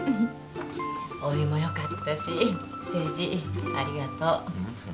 お湯も良かったし誠治ありがとう。